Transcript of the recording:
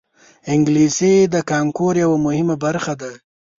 انګلیسي د کانکور یوه مهمه برخه ده